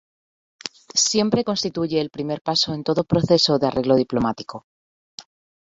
Siempre constituye el primer paso en todo proceso de arreglo diplomático.